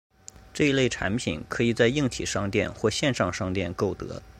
这一类产品可以在硬体商店或线上商店购得。